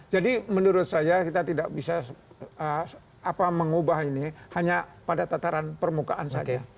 jadi menurut saya kita tidak bisa mengubah ini hanya pada tataran permukaan saja